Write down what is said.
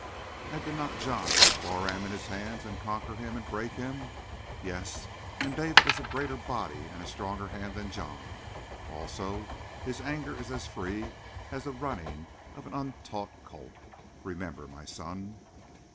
And did not John take Boram in his hands and conquer him and break him? Yes, and David is a greater body and a stronger hand than John. Also, his anger is as free as the running of an untaught colt. Remember, my son!"